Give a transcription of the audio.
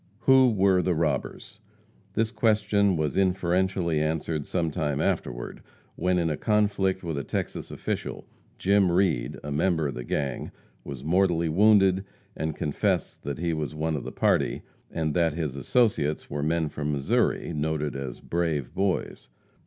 Who were the robbers? This question was inferentially answered sometime afterward, when, in a conflict with a Texas official, Jim Reed, a member of the gang, was mortally wounded, and confessed that he was one of the party, and that his associates were men from Missouri, noted as "brave boys."